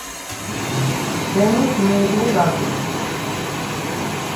დემოშ მე̄რმე ლადეღ.